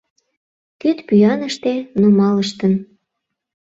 Кидпӱаныште нумалыштын